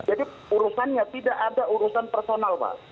jadi urusannya tidak ada urusan personal pak